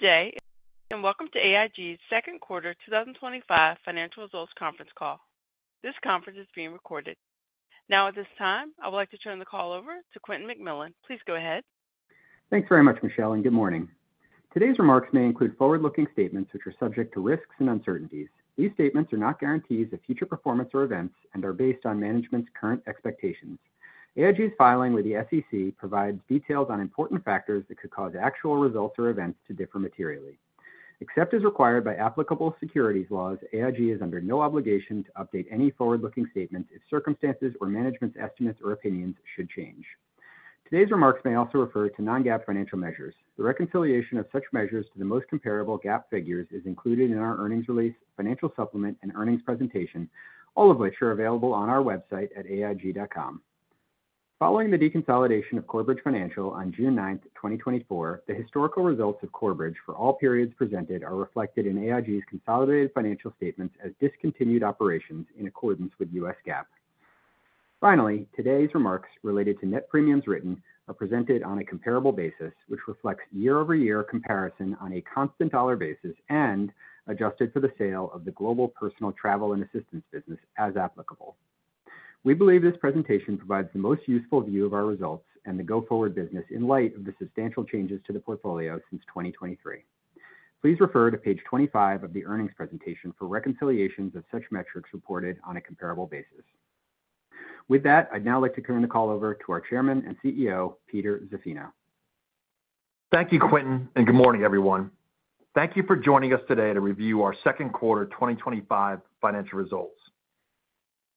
Today, and welcome to AIG's second quarter 2025 financial results conference call. This conference is being recorded. Now, at this time, I would like to turn the call over to Quentin McMillan. Please go ahead. Thanks very much, Michelle, and good morning. Today's remarks may include forward-looking statements, which are subject to risks and uncertainties. These statements are not guarantees of future performance or events and are based on management's current expectations. AIG's filings with the SEC provide details on important factors that could cause actual results or events to differ materially. Except as required by applicable securities laws, AIG is under no obligation to update any forward-looking statements if circumstances or management's estimates or opinions should change. Today's remarks may also refer to non-GAAP financial measures. The reconciliation of such measures to the most comparable GAAP figures is included in our earnings release, financial supplement, and earnings presentation, all of which are available on our website at aig.com. Following the deconsolidation of Corebridge Financial on June 9, 2024, the historical results of Corebridge for all periods presented are reflected in AIG's consolidated financial statements as discontinued operations in accordance with U.S. GAAP. Finally, today's remarks related to net premiums written are presented on a comparable basis, which reflects year-over-year comparison on a constant dollar basis and adjusted for the sale of the Global Personal Travel and Assistance business as applicable. We believe this presentation provides the most useful view of our results and the go-forward business in light of the substantial changes to the portfolio since 2023. Please refer to page 25 of the earnings presentation for reconciliations of such metrics reported on a comparable basis. With that, I'd now like to turn the call over to our Chairman and CEO, Peter Zaffino. Thank you, Quentin, and good morning, everyone. Thank you for joining us today to review our second quarter 2025 financial results.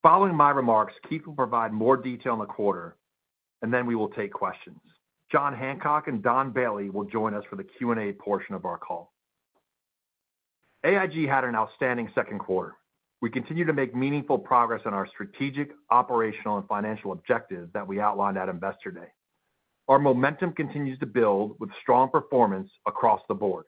Following my remarks, Keith will provide more detail in the quarter, and then we will take questions. Jon Hancock and Don Bailey will join us for the Q&A portion of our call. AIG had an outstanding second quarter. We continue to make meaningful progress on our strategic, operational, and financial objectives that we outlined at Investor Day. Our momentum continues to build with strong performance across the board.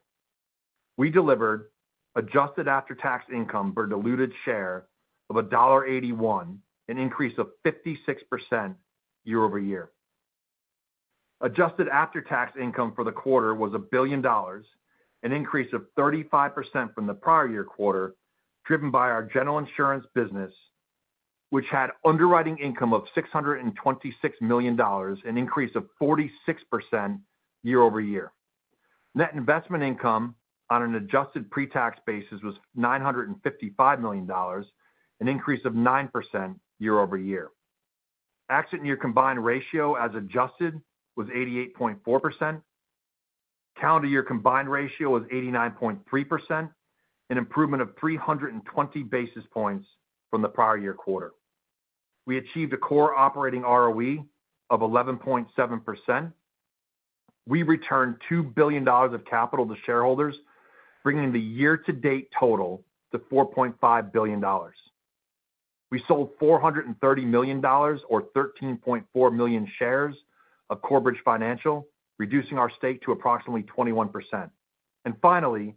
We delivered adjusted after-tax income per diluted share of $1.81, an increase of 56% year-over-year. Adjusted after-tax income for the quarter was $1.0 billion, an increase of 35% from the prior year quarter, driven by our General Insurance business, which had underwriting income of $626 million, an increase of 46% year-over-year. Net investment income on an adjusted pre-tax basis was $955 million, an increase of 9% year-over-year. Exit-year combined ratio as adjusted was 88.4%. Calendar year combined ratio was 89.3%, an improvement of 320 basis points from the prior year quarter. We achieved a core operating ROE of 11.7%. We returned $2.0 billion of capital to shareholders, bringing the year-to-date total to $4.5 billion. We sold $430 million or 13.4 million shares of Corebridge Financial, reducing our stake to approximately 21%. Finally,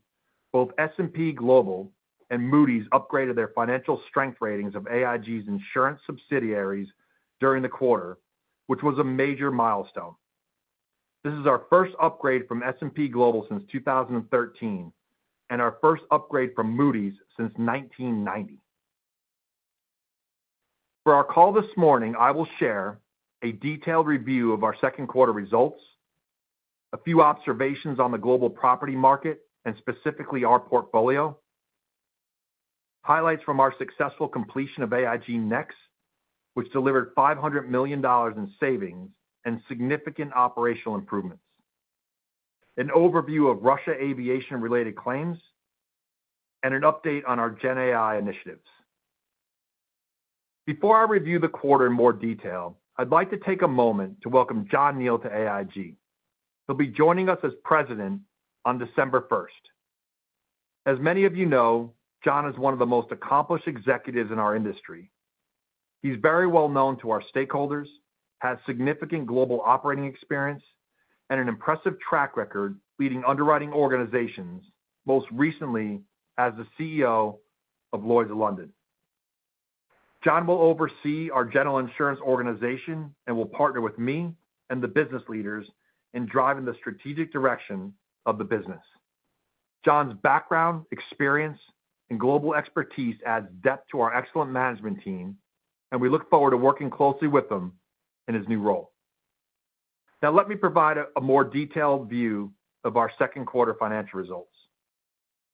both S&P Global and Moody’s upgraded their financial strength ratings of AIG’s insurance subsidiaries during the quarter, which was a major milestone. This is our first upgrade from S&P Global since 2013 and our first upgrade from Moody’s since 1990. For our call this morning, I will share a detailed review of our second quarter results, a few observations on the global property market and specifically our portfolio, highlights from our successful completion of AIG Next, which delivered $500 million in savings and significant operational improvements, an overview of Russia aviation-related claims, and an update on our GenAI initiatives. Before I review the quarter in more detail, I'd like to take a moment to welcome John Neal to AIG. He'll be joining us as President on December 1. As many of you know, John is one of the most accomplished executives in our industry. He's very well known to our stakeholders, has significant global operating experience, and an impressive track record leading underwriting organizations, most recently as the CEO of Lloyd’s of London. John will oversee our General Insurance organization and will partner with me and the business leaders in driving the strategic direction of the business. John's background, experience, and global expertise add depth to our excellent management team, and we look forward to working closely with him in his new role. Now, let me provide a more detailed view of our second quarter financial results.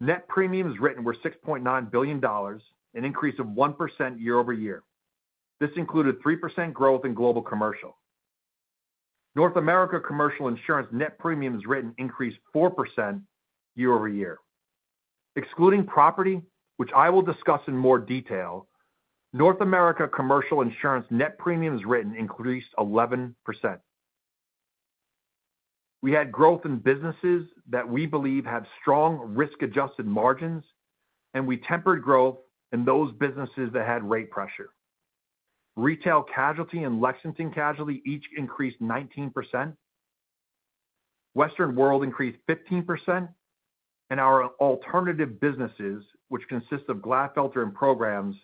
Net premiums written were $6.9 billion, an increase of 1% year-over-year. This included 3% growth in Global Commercial. North America Commercial Insurance net premiums written increased 4% year-over-year. Excluding property, which I will discuss in more detail, North America Commercial Insurance net premiums written increased 11%. We had growth in businesses that we believe have strong risk-adjusted margins, and we tempered growth in those businesses that had rate pressure. Retail Casualty and Lexington Casualty each increased 19%. Western World increased 15%, and our alternative businesses, which consist of Glatfelter programs,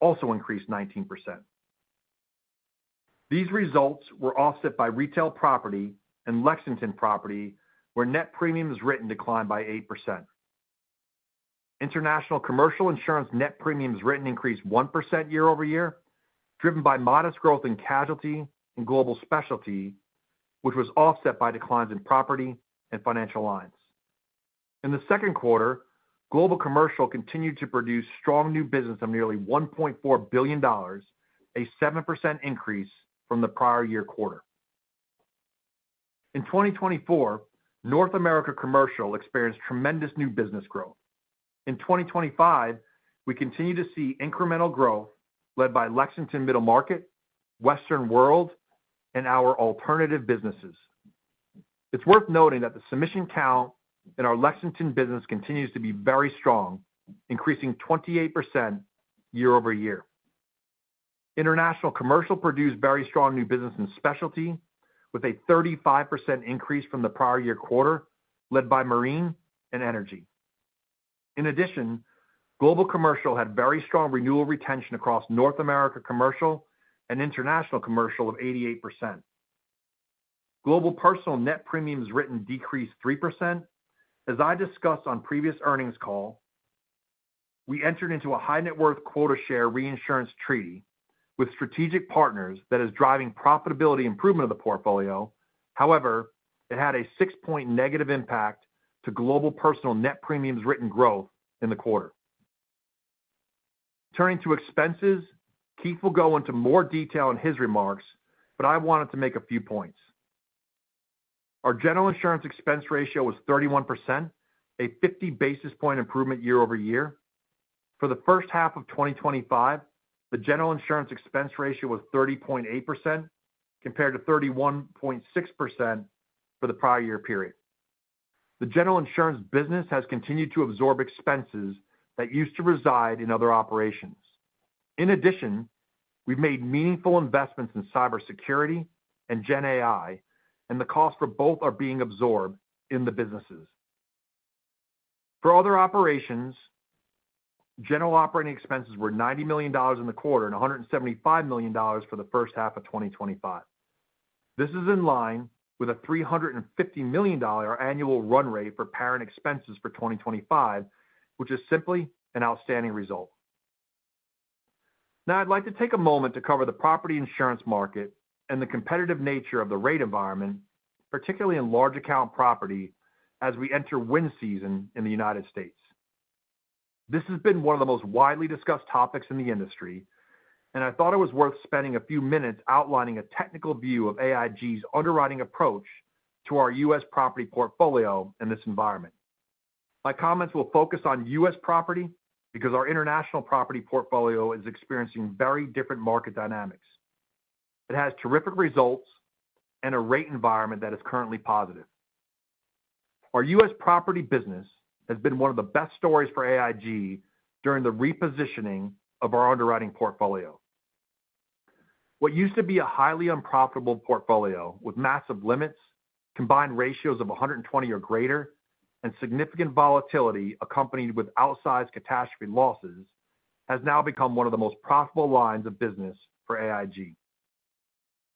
also increased 19%. These results were offset by Retail Property and Lexington Property, where net premiums written declined by 8%. International Commercial Insurance net premiums written increased 1% year-over-year, driven by modest growth in casualty and global specialty, which was offset by declines in property and Financial Lines. In the second quarter, Global Commercial continued to produce strong new business of nearly $1.4 billion, a 7% increase from the prior year quarter. In 2024, North America Commercial experienced tremendous new business growth. In 2025, we continue to see incremental growth led by Lexington Middle Market, Western World, and our alternative businesses. It's worth noting that the submission count in our Lexington business continues to be very strong, increasing 28% year-over-year. International Commercial produced very strong new business in specialty, with a 35% increase from the prior year quarter led by Marine and Energy. In addition, Global Commercial had very strong renewal retention across North America Commercial and International Commercial of 88%. Global Personal net premiums written decreased 3%. As I discussed on the previous earnings call, we entered into a high net worth quota share reinsurance treaty with strategic partners that is driving profitability improvement of the portfolio. However, it had a six-point negative impact to Global Personal net premiums written growth in the quarter. Turning to expenses, Keith will go into more detail in his remarks, but I wanted to make a few points. Our General Insurance expense ratio was 31%, a 50 basis point improvement year-over-year. For the first half of 2025, the General Insurance expense ratio was 30.8% compared to 31.6% for the prior year period. The General Insurance business has continued to absorb expenses that used to reside in Other Operations. In addition, we've made meaningful investments in cybersecurity and GenAI, and the costs for both are being absorbed in the businesses. For Other Operations, general operating expenses were $90 million in the quarter and $175 million for the first half of 2025. This is in line with a $350 million annual run rate for parent expenses for 2025, which is simply an outstanding result. Now, I'd like to take a moment to cover the property insurance market and the competitive nature of the rate environment, particularly in large account property, as we enter wind season in the United States. This has been one of the most widely discussed topics in the industry, and I thought it was worth spending a few minutes outlining a technical view of AIG's underwriting approach to our U.S. property portfolio in this environment. My comments will focus on U.S. property because our international property portfolio is experiencing very different market dynamics. It has terrific results and a rate environment that is currently positive. Our U.S. property business has been one of the best stories for AIG during the repositioning of our underwriting portfolio. What used to be a highly unprofitable portfolio with massive limits, combined ratios of 120% or greater, and significant volatility accompanied with outsized catastrophe losses has now become one of the most profitable lines of business for AIG.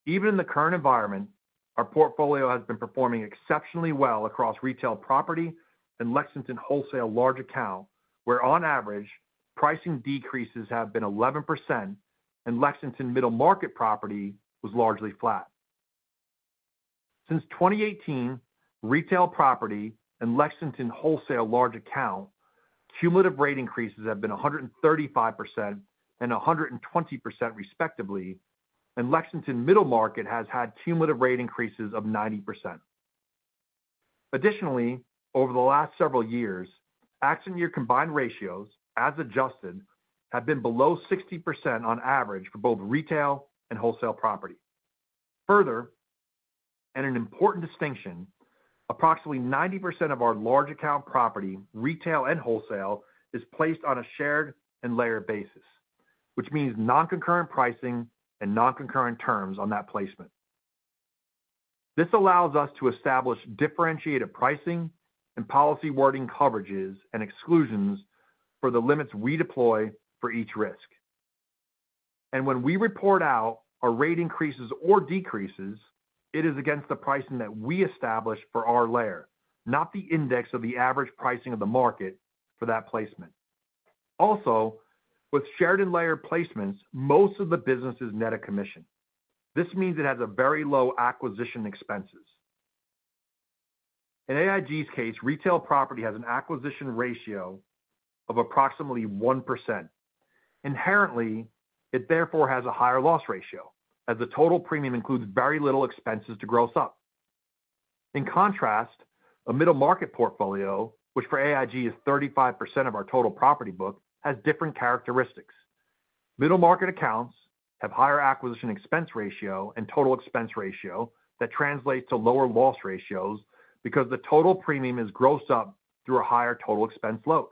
Even in the current environment, our portfolio has been performing exceptionally well across retail property and Lexington wholesale large account, where on average, pricing decreases have been 11% and Lexington Middle Market property was largely flat. Since 2018, retail property and Lexington wholesale large account cumulative rate increases have been 135% and 120% respectively, and Lexington Middle Market has had cumulative rate increases of 90%. Additionally, over the last several years, exit-year combined ratios, as adjusted, have been below 60% on average for both retail and wholesale property. Further, and an important distinction, approximately 90% of our large account property, retail and wholesale, is placed on a shared and layered basis, which means non-concurrent pricing and non-concurrent terms on that placement. This allows us to establish differentiated pricing and policy wording coverages and exclusions for the limits we deploy for each risk. When we report out a rate increases or decreases, it is against the pricing that we establish for our layer, not the index of the average pricing of the market for that placement. Also, with shared and layered placements, most of the business is net a commission. This means it has very low acquisition expenses. In AIG's case, retail property has an acquisition ratio of approximately 1%. Inherently, it therefore has a higher loss ratio, as the total premium includes very little expenses to gross up. In contrast, a middle market portfolio, which for AIG is 35% of our total property book, has different characteristics. Middle market accounts have higher acquisition expense ratio and total expense ratio that translates to lower loss ratios because the total premium is grossed up through a higher total expense load.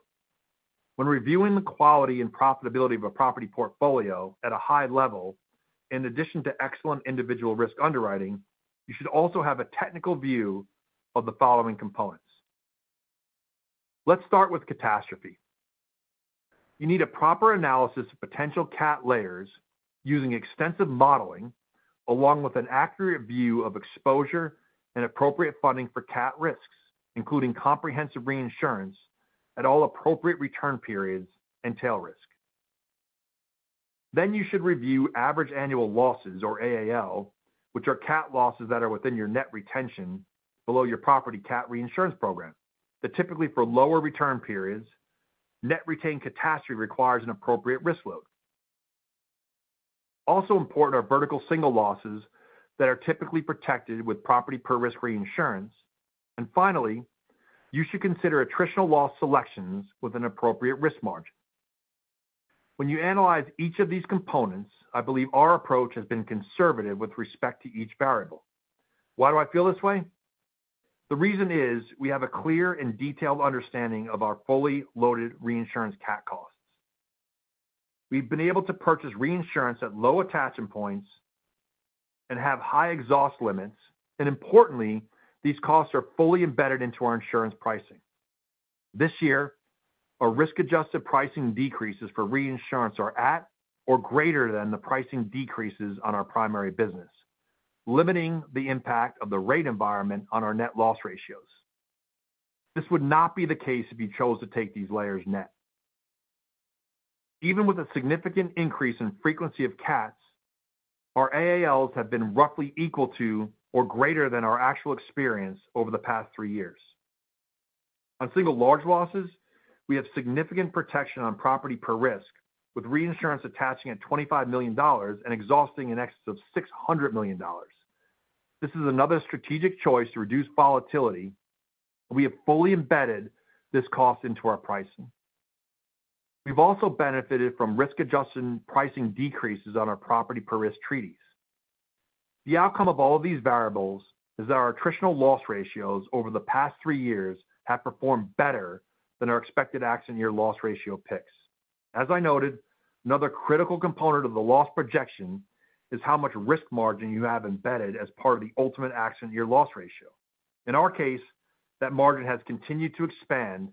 When reviewing the quality and profitability of a property portfolio at a high level, in addition to excellent individual risk underwriting, you should also have a technical view of the following components. Let's start with catastrophe. You need a proper analysis of potential CAT layers using extensive modeling, along with an accurate view of exposure and appropriate funding for CAT risks, including comprehensive reinsurance at all appropriate return periods and tail risk. You should review average annual losses, or AAL, which are CAT losses that are within your net retention below your property CAT reinsurance program. Typically, for lower return periods, net retained catastrophe requires an appropriate risk load. Also important are vertical single losses that are typically protected with property per risk reinsurance. Finally, you should consider attritional loss selections with an appropriate risk margin. When you analyze each of these components, I believe our approach has been conservative with respect to each variable. The reason is we have a clear and detailed understanding of our fully loaded reinsurance CAT costs. We've been able to purchase reinsurance at low attachment points and have high exhaust limits, and, importantly, these costs are fully embedded into our insurance pricing. This year, our risk-adjusted pricing decreases for reinsurance are at or greater than the pricing decreases on our primary business, limiting the impact of the rate environment on our net loss ratios. This would not be the case if you chose to take these layers net. Even with a significant increase in frequency of CATs, our AALs have been roughly equal to or greater than our actual experience over the past three years. On single large losses, we have significant protection on property per risk, with reinsurance attaching at $25 million and exhausting in exits of $600 million. This is another strategic choice to reduce volatility, and we have fully embedded this cost into our pricing. We've also benefited from risk-adjusted pricing decreases on our property per risk treaties. The outcome of all of these variables is that our attritional loss ratios over the past three years have performed better than our expected exit-year loss ratio picks. As I noted, another critical component of the loss projection is how much risk margin you have embedded as part of the ultimate exit-year loss ratio. In our case, that margin has continued to expand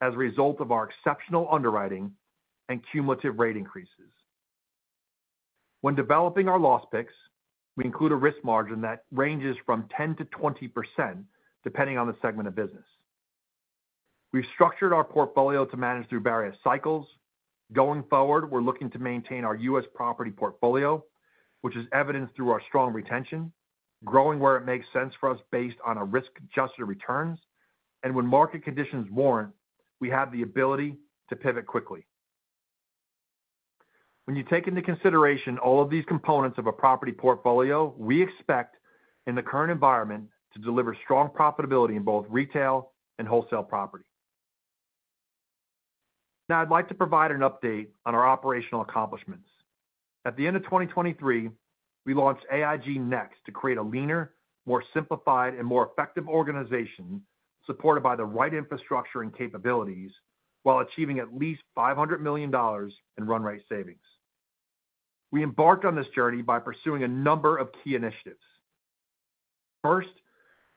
as a result of our exceptional underwriting and cumulative rate increases. When developing our loss picks, we include a risk margin that ranges from 10%-20%, depending on the segment of business. We've structured our portfolio to manage through various cycles. Going forward, we're looking to maintain our U.S. property portfolio, which is evidenced through our strong retention, growing where it makes sense for us based on our risk-adjusted returns, and when market conditions warrant, we have the ability to pivot quickly. When you take into consideration all of these components of a property portfolio, we expect, in the current environment, to deliver strong profitability in both retail and wholesale property. Now, I'd like to provide an update on our operational accomplishments. At the end of 2023, we launched AIG Next to create a leaner, more simplified, and more effective organization supported by the right infrastructure and capabilities while achieving at least $500 million in run-rate savings. We embarked on this journey by pursuing a number of key initiatives. First,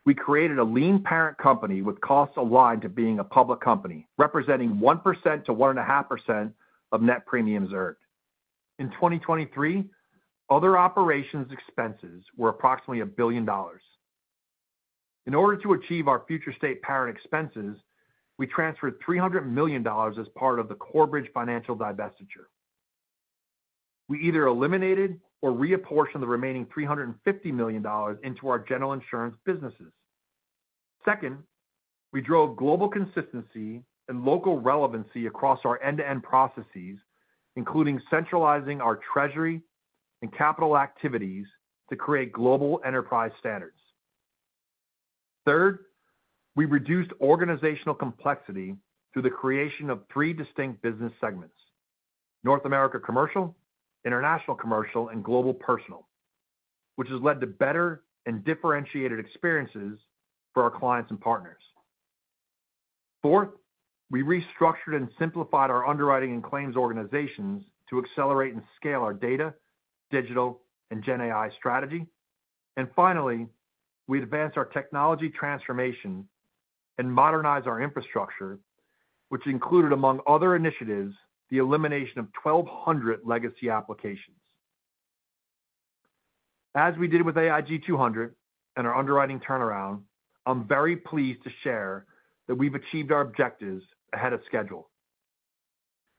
we created a lean parent company with costs aligned to being a public company, representing 1%-1.5% of net premiums earned. In 2023, other operations' expenses were approximately $1 billion. In order to achieve our future state parent expenses, we transferred $300 million as part of the Corebridge Financial divestiture. We either eliminated or reapportioned the remaining $350 million into our General Insurance businesses. Second, we drove global consistency and local relevancy across our end-to-end processes, including centralizing our treasury and capital activities to create global enterprise standards. Third, we reduced organizational complexity through the creation of three distinct business segments: North America Commercial, International Commercial, and Global Personal, which has led to better and differentiated experiences for our clients and partners. Fourth, we restructured and simplified our underwriting and claims organizations to accelerate and scale our data, digital, and GenAI strategy. Finally, we advanced our technology transformation and modernized our infrastructure, which included, among other initiatives, the elimination of 1,200 legacy applications. As we did with AIG 200 and our underwriting turnaround, I'm very pleased to share that we've achieved our objectives ahead of schedule.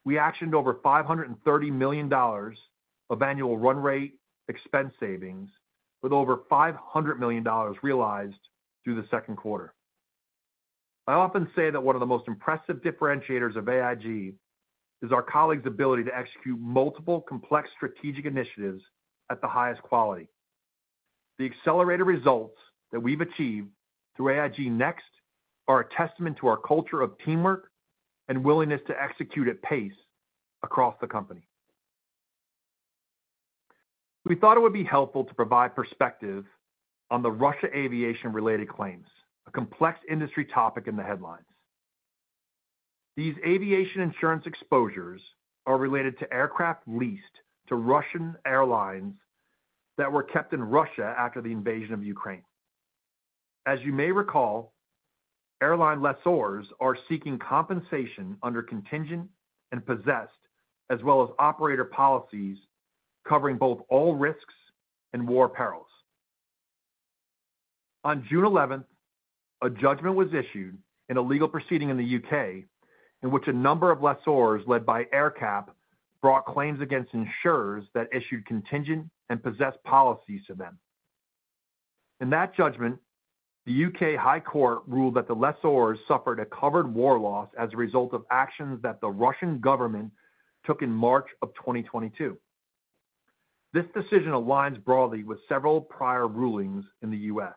We actioned over $530 million of annual run-rate expense savings, with over $500 million realized through the second quarter. I often say that one of the most impressive differentiators of AIG is our colleagues' ability to execute multiple complex strategic initiatives at the highest quality. The accelerated results that we've achieved through AIG Next are a testament to our culture of teamwork and willingness to execute at pace across the company. We thought it would be helpful to provide perspective on the Russia aviation-related claims, a complex industry topic in the headlines. These aviation insurance exposures are related to aircraft leased to Russian airlines that were kept in Russia after the invasion of Ukraine. As you may recall, airline lessors are seeking compensation under Contingent and Possessed, as well as Operator policies covering both all risks and war perils. On June 11, a judgment was issued in a legal proceeding in the U.K. in which a number of lessors led by AerCap brought claims against insurers that issued Contingent and Possessed policies to them. In that judgment, the U.K. High Court ruled that the lessors suffered a covered war loss as a result of actions that the Russian government took in March of 2022. This decision aligns broadly with several prior rulings in the U.S.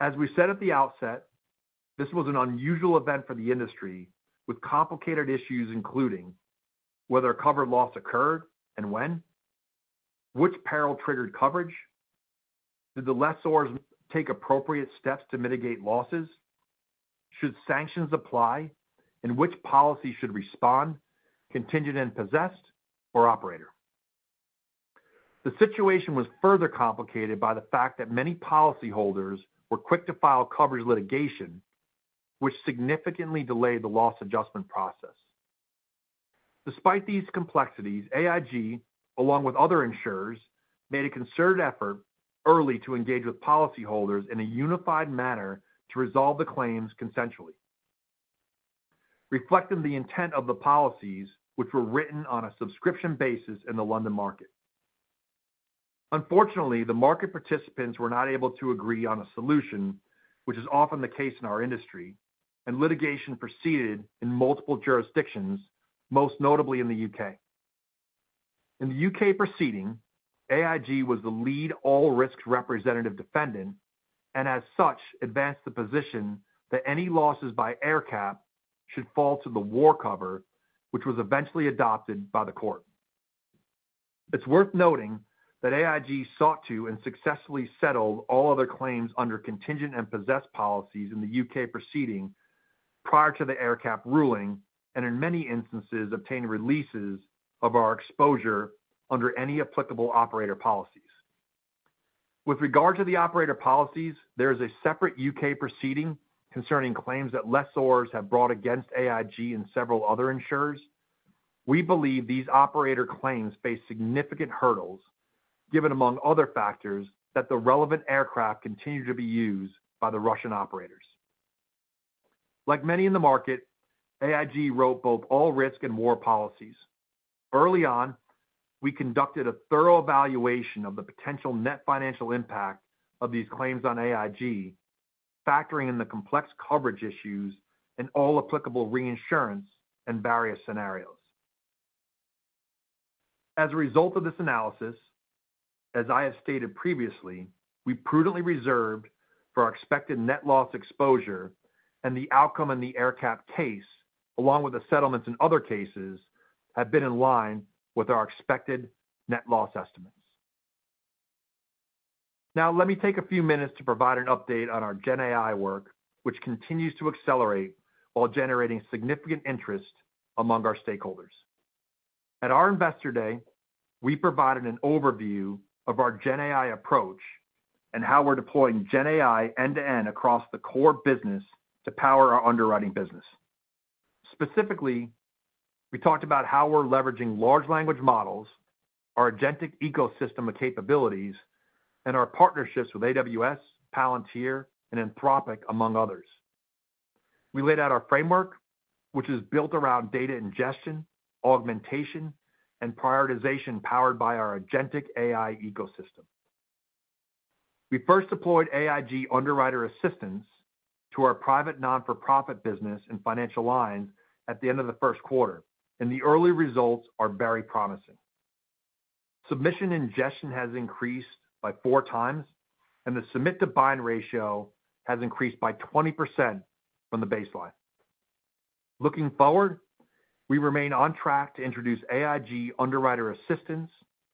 As we said at the outset, this was an unusual event for the industry, with complicated issues including whether a covered loss occurred and when, which peril triggered coverage, did the lessors take appropriate steps to mitigate losses, should sanctions apply, and which policy should respond, Contingent and Possessed, or operator. The situation was further complicated by the fact that many policyholders were quick to file coverage litigation, which significantly delayed the loss adjustment process. Despite these complexities, AIG, along with other insurers, made a concerted effort early to engage with policyholders in a unified manner to resolve the claims consensually, reflecting the intent of the policies which were written on a subscription basis in the London market. Unfortunately, the market participants were not able to agree on a solution, which is often the case in our industry, and litigation proceeded in multiple jurisdictions, most notably in the U.K.. In the U.K. proceeding, AIG was the lead all risks representative defendant and, as such, advanced the position that any losses by AerCap should fall to the war cover, which was eventually adopted by the court. It's worth noting that AIG sought to and successfully settled all other claims under Contingent and Possessed policies in the U.K. proceeding prior to the AerCap ruling and, in many instances, obtained releases of our exposure under any applicable Operator policies. With regard to the Operator policies, there is a separate U.K. proceeding concerning claims that lessors have brought against AIG and several other insurers. We believe these operator claims face significant hurdles, given among other factors that the relevant aircraft continue to be used by the Russian operators. Like many in the market, AIG wrote both all risk and war policies. Early on, we conducted a thorough evaluation of the potential net financial impact of these claims on AIG, factoring in the complex coverage issues and all applicable reinsurance and various scenarios. As a result of this analysis, as I have stated previously, we prudently reserved for our expected net loss exposure, and the outcome in the AerCap case, along with the settlements in other cases, have been in line with our expected net loss estimates. Now, let me take a few minutes to provide an update on our GenAI work, which continues to accelerate while generating significant interest among our stakeholders. At our Investor Day, we provided an overview of our GenAI approach and how we're deploying GenAI end-to-end across the core business to power our underwriting business. Specifically, we talked about how we're leveraging large language models, our agentic ecosystem of capabilities, and our partnerships with AWS, Palantir, and Anthropic, among others. We laid out our framework, which is built around data ingestion, augmentation, and prioritization powered by our agentic AI ecosystem. We first deployed AIG Underwriter Assistance to our private non-for-profit business and Financial Lines at the end of the first quarter, and the early results are very promising. Submission ingestion has increased by four times, and the submit-to-buying ratio has increased by 20% from the baseline. Looking forward, we remain on track to introduce AIG Underwriter Assistance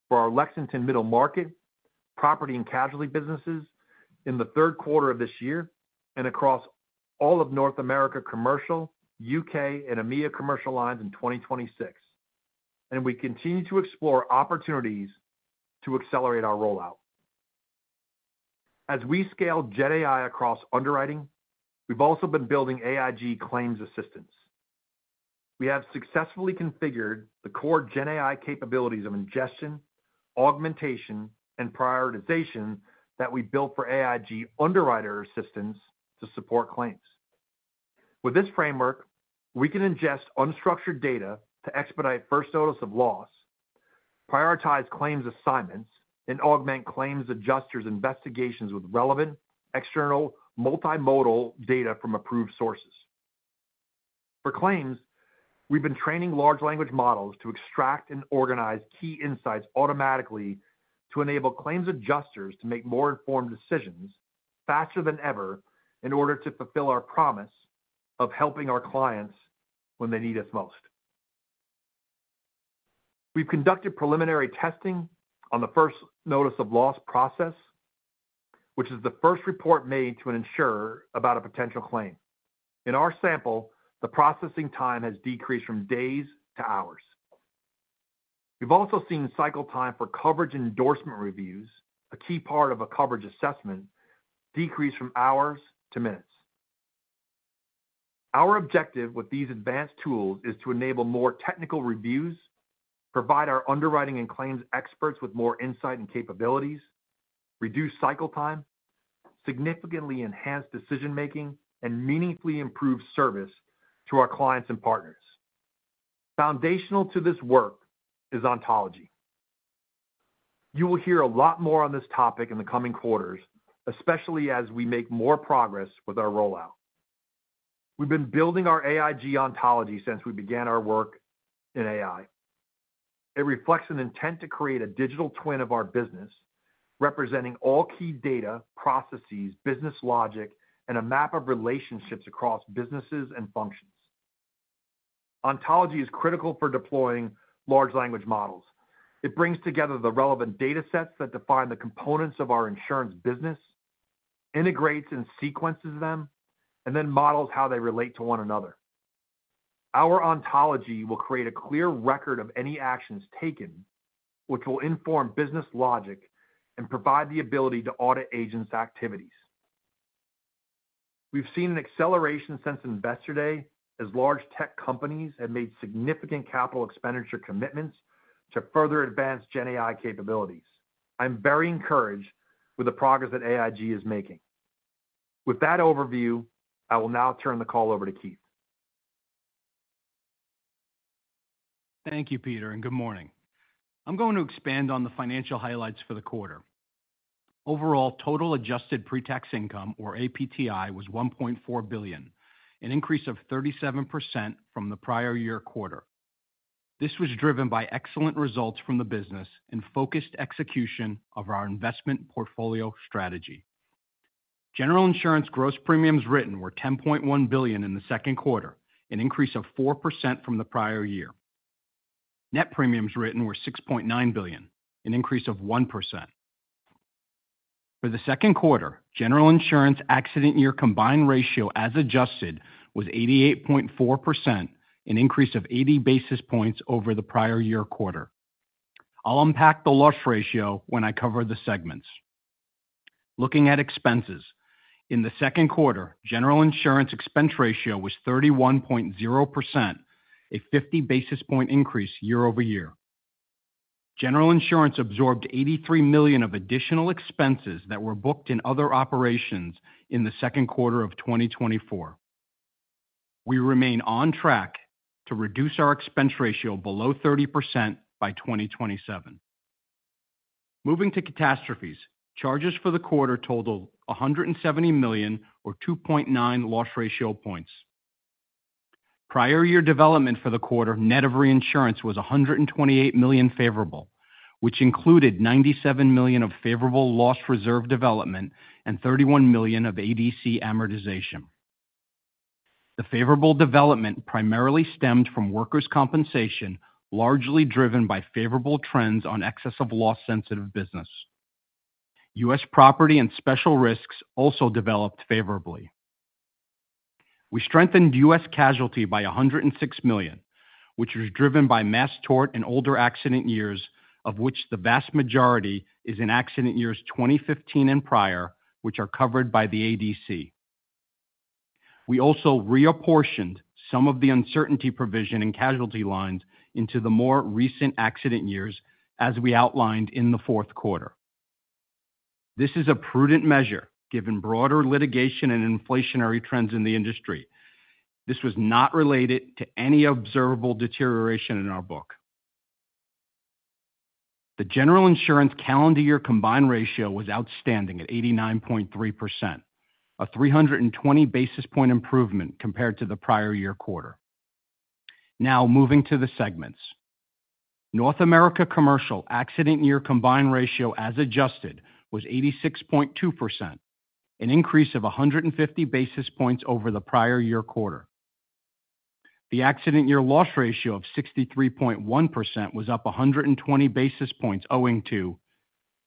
for our Lexington Middle Market, property, and casualty businesses in the third quarter of this year and across all of North America Commercial, U.K., and EMEA Commercial lines in 2026. We continue to explore opportunities to accelerate our rollout. As we scale GenAI across underwriting, we've also been building AIG Claims Assistance. We have successfully configured the core GenAI capabilities of ingestion, augmentation, and prioritization that we built for AIG Underwriter Assistance to support claims. With this framework, we can ingest unstructured data to expedite first notice of loss, prioritize claims assignments, and augment claims adjusters' investigations with relevant external multimodal data from approved sources. For claims, we've been training large language models to extract and organize key insights automatically to enable claims adjusters to make more informed decisions faster than ever in order to fulfill our promise of helping our clients when they need us most. We've conducted preliminary testing on the first notice of loss process, which is the first report made to an insurer about a potential claim. In our sample, the processing time has decreased from days to hours. We've also seen cycle time for coverage endorsement reviews, a key part of a coverage assessment, decrease from hours to minutes. Our objective with these advanced tools is to enable more technical reviews, provide our underwriting and claims experts with more insight and capabilities, reduce cycle time, significantly enhance decision-making, and meaningfully improve service to our clients and partners. Foundational to this work is ontology. You will hear a lot more on this topic in the coming quarters, especially as we make more progress with our rollout. We've been building our AIG Ontology since we began our work in AI. It reflects an intent to create a digital twin of our business, representing all key data, processes, business logic, and a map of relationships across businesses and functions. Ontology is critical for deploying large language models. It brings together the relevant data sets that define the components of our insurance business, integrates and sequences them, and then models how they relate to one another. Our ontology will create a clear record of any actions taken, which will inform business logic and provide the ability to audit agents' activities. We've seen an acceleration since Investor Day as large tech companies have made significant capital expenditure commitments to further advance GenAI capabilities. I'm very encouraged with the progress that AIG is making. With that overview, I will now turn the call over to Keith. Thank you, Peter, and good morning. I'm going to expand on the financial highlights for the quarter. Overall, total adjusted pre-tax income, or APTI, was $1.4 billion, an increase of 37% from the prior year quarter. This was driven by excellent results from the business and focused execution of our investment portfolio strategy. General Insurance gross premiums written were $10.1 billion in the second quarter, an increase of 4% from the prior year. Net premiums written were $6.9 billion, an increase of 1%. For the second quarter, General Insurance exit-year combined ratio as adjusted was 88.4%, an increase of 80 basis points over the prior year quarter. I'll unpack the loss ratio when I cover the segments. Looking at expenses, in the second quarter, General Insurance expense ratio was 31.0%, a 50 basis point increase year-over-year. General Insurance absorbed $83 million of additional expenses that were booked in Other Operations in the second quarter of 2024. We remain on track to reduce our expense ratio below 30% by 2027. Moving to catastrophes, charges for the quarter total $170 million or 2.9 loss ratio points. Prior year development for the quarter net of reinsurance was $128 million favorable, which included $97 million of favorable loss reserve development and $31 million of ADC amortization. The favorable development primarily stemmed from workers' compensation, largely driven by favorable trends on excess of loss-sensitive business. U.S. property and special risks also developed favorably. We strengthened U.S. casualty by $106 million, which was driven by mass tort and older accident years, of which the vast majority is in accident years 2015 and prior, which are covered by the ADC. We also reapportioned some of the uncertainty provision in casualty lines into the more recent accident years, as we outlined in the fourth quarter. This is a prudent measure given broader litigation and inflationary trends in the industry. This was not related to any observable deterioration in our book. The General Insurance calendar year combined ratio was outstanding at 89.3%, a 320 basis point improvement compared to the prior year quarter. Now, moving to the segments, North America Commercial exit-year combined ratio as adjusted was 86.2%, an increase of 150 basis points over the prior year quarter. The exit-year loss ratio of 63.1% was up 120 basis points, owing to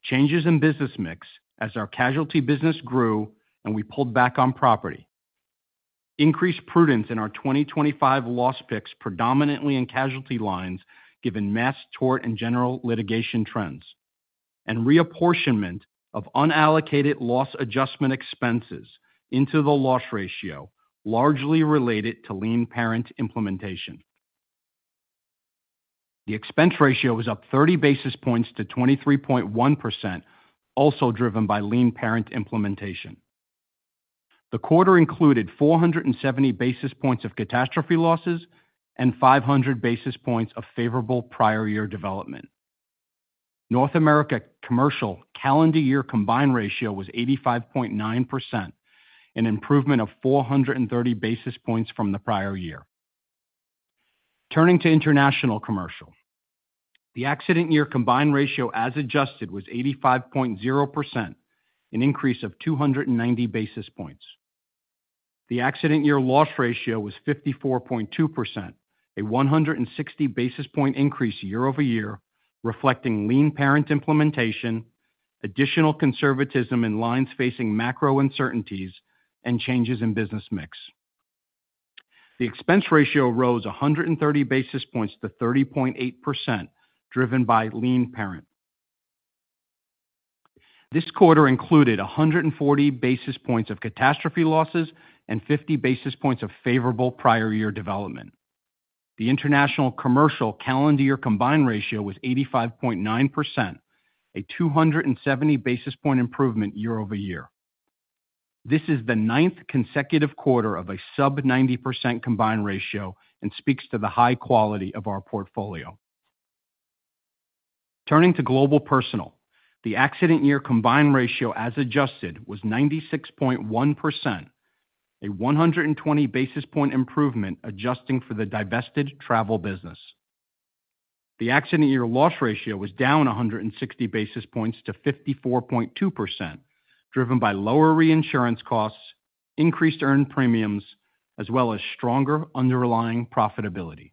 changes in business mix as our casualty business grew and we pulled back on property. Increased prudence in our 2025 loss picks, predominantly in casualty lines, given mass tort and general litigation trends, and reapportionment of unallocated loss adjustment expenses into the loss ratio, largely related to lean parent implementation. The expense ratio was up 30 basis points to 23.1%, also driven by lean parent implementation. The quarter included 470 basis points of catastrophe losses and 500 basis points of favorable prior year development. North America Commercial calendar year combined ratio was 85.9%, an improvement of 430 basis points from the prior year. Turning to International Commercial, the exit-year combined ratio as adjusted was 85.0%, an increase of 290 basis points. The exit-year loss ratio was 54.2%, a 160 basis points increase year-over-year, reflecting lean parent implementation, additional conservatism in lines facing macro uncertainties, and changes in business mix. The expense ratio rose 130 basis points to 30.8%, driven by lean parent. This quarter included 140 basis points of catastrophe losses and 50 basis points of favorable prior year development. The International Commercial calendar year combined ratio was 85.9%, a 270 basis points improvement year-over-year. This is the ninth consecutive quarter of a sub-90% combined ratio and speaks to the high quality of our portfolio. Turning to Global Personal, the exit-year combined ratio as adjusted was 96.1%, a 120 basis points improvement adjusting for the divested travel business. The exit-year loss ratio was down 160 basis points to 54.2%, driven by lower reinsurance costs, increased earned premiums, as well as stronger underlying profitability.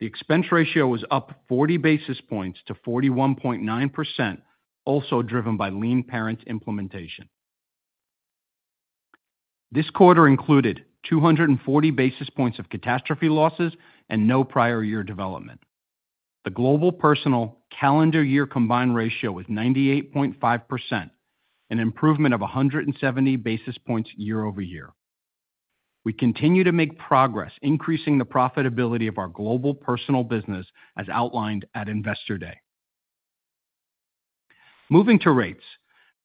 The expense ratio was up 40 basis points to 41.9%, also driven by lean parent implementation. This quarter included 240 basis points of catastrophe losses and no prior year development. The Global Personal calendar year combined ratio was 98.5%, an improvement of 170 basis points year-over-year. We continue to make progress, increasing the profitability of our Global Personal business as outlined at Investor Day. Moving to rates,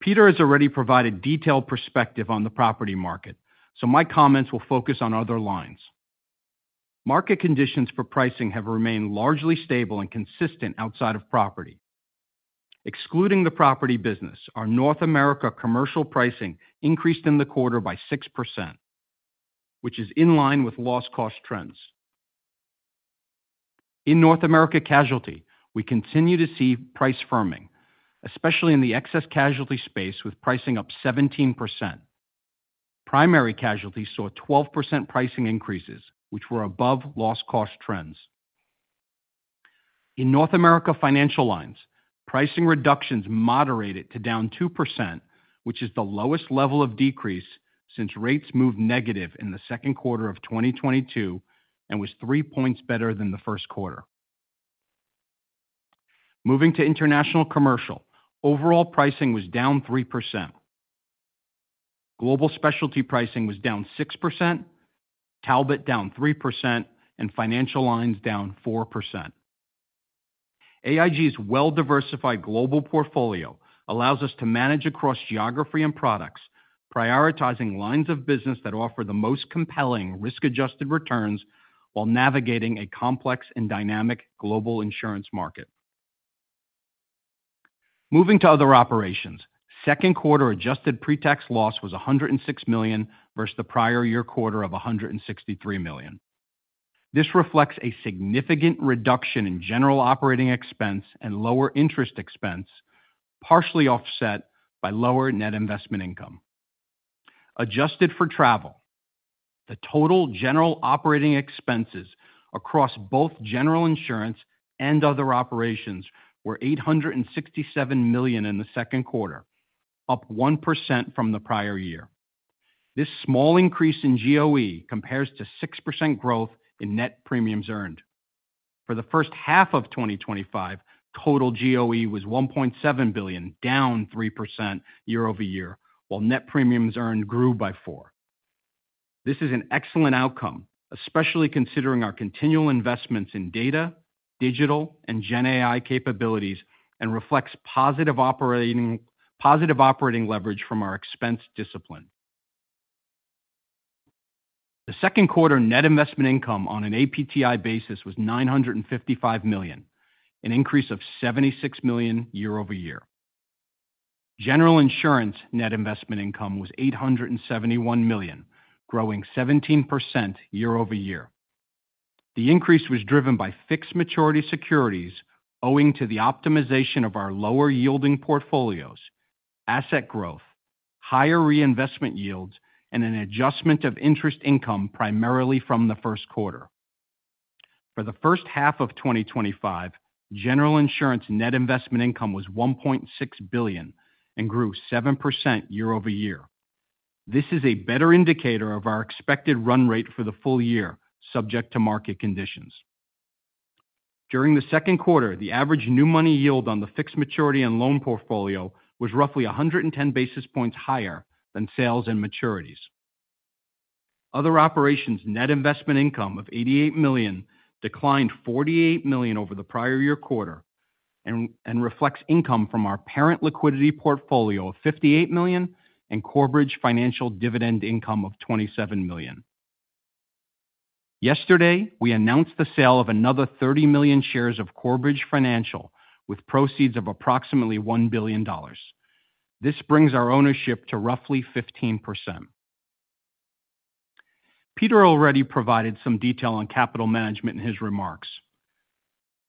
Peter has already provided detailed perspective on the property market, so my comments will focus on other lines. Market conditions for pricing have remained largely stable and consistent outside of property. Excluding the property business, our North America Commercial pricing increased in the quarter by 6%, which is in line with loss cost trends. In North America Casualty, we continue to see price firming, especially in the excess casualty space, with pricing up 17%. Primary Casualty saw 12% pricing increases, which were above loss cost trends. In North America Financial Lines, pricing reductions moderated to down 2%, which is the lowest level of decrease since rates moved negative in the second quarter of 2022 and was three points better than the first quarter. Moving to International Commercial, overall pricing was down 3%. Global Specialty pricing was down 6%, Talbot down 3%, and Financial Lines down 4%. AIG's well-diversified global portfolio allows us to manage across geography and products, prioritizing lines of business that offer the most compelling risk-adjusted returns while navigating a complex and dynamic global insurance market. Moving to other operations, second quarter adjusted pre-tax loss was $106 million versus the prior year quarter of $163 million. This reflects a significant reduction in general operating expense and lower interest expense, partially offset by lower net investment income. Adjusted for travel, the total general operating expenses across both General Insurance and other operations were $867 million in the second quarter, up 1% from the prior year. This small increase in GOE compares to 6% growth in net premiums earned. For the first half of 2025, total GOE was $1.7 billion, down 3% year-over-year, while net premiums earned grew by 4%. This is an excellent outcome, especially considering our continual investments in data, digital, and GenAI capabilities, and reflects positive operating leverage from our expense discipline. The second quarter net investment income on an APTI basis was $955 million, an increase of $76 million year-over-year. General Insurance net investment income was $871 million, growing 17% year-over-year. The increase was driven by fixed maturity securities, owing to the optimization of our lower yielding portfolios, asset growth, higher reinvestment yields, and an adjustment of interest income primarily from the first quarter. For the first half of 2025, General Insurance net investment income was $1.6 billion and grew 7% year-over-year. This is a better indicator of our expected run rate for the full year, subject to market conditions. During the second quarter, the average new money yield on the fixed maturity and loan portfolio was roughly 110 basis points higher than sales and maturities. Other operations' net investment income of $88 million declined $48 million over the prior year quarter and reflects income from our parent liquidity portfolio of $58 million and Corebridge Financial dividend income of $27 million. Yesterday, we announced the sale of another 30 million shares of Corebridge Financial with proceeds of approximately $1 billion. This brings our ownership to roughly 15%. Peter already provided some detail on capital management in his remarks.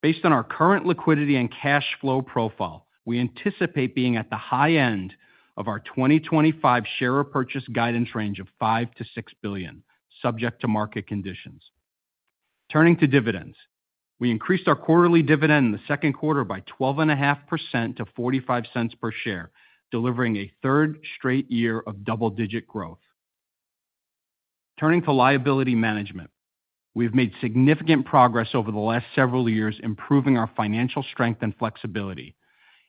Based on our current liquidity and cash flow profile, we anticipate being at the high end of our 2025 share repurchase guidance range of $5 billion-$6 billion, subject to market conditions. Turning to dividends, we increased our quarterly dividend in the second quarter by 12.5% to $0.45 per share, delivering a third straight year of double-digit growth. Turning to liability management, we've made significant progress over the last several years, improving our financial strength and flexibility.